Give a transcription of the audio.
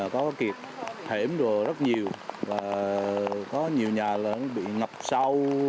có kịp hẻm đùa rất nhiều có nhiều nhà bị ngập sao